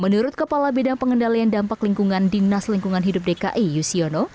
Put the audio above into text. menurut kepala bidang pengendalian dampak lingkungan dinas lingkungan hidup dki yusiono